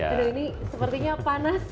aduh ini sepertinya panas